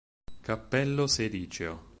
Cappello sericeo.